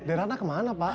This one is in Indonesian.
derana kemana pak